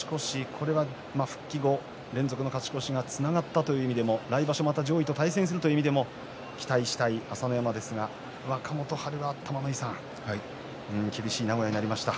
これは復帰後連続の勝ち越しがつながったという意味でも来場所また上位と対戦するという意味でも期待したい朝乃山ですが若元春は玉ノ井さん厳しい名古屋になりました。